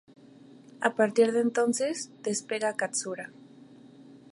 A partir de entonces, despega Katsura.